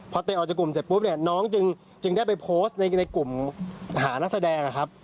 พอเตะออกจากกลุ่มเสร็จปุ๊บเนี่ยน้องจึงได้ไปโพสต์ในกลุ่มหานักแสดงนะครับ